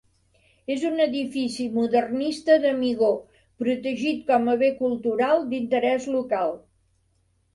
És un edifici modernista d'Amigó protegit com a bé cultural d'interès local.